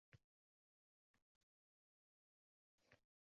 Nutq san’ati